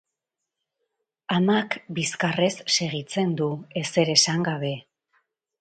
Amak bizkarrez segitzen du, ezer esan gabe.